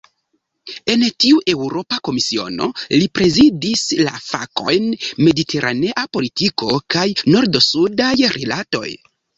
En tiu Eŭropa Komisiono, li prezidis la fakojn "mediteranea politiko kaj nord-sudaj rilatoj".